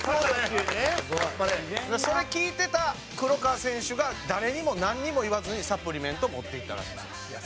それ聞いてた黒川選手が誰にもなんにも言わずにサプリメント持っていったらしいんですよ。